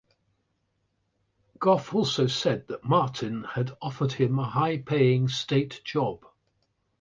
Goff also said that Martin had offered him a high-paying state job.